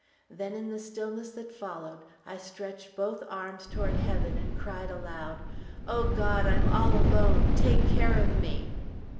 Then in the stillness that followed, I stretched both arms toward heaven and cried aloud, "O God, I'm all alone; take care of me!"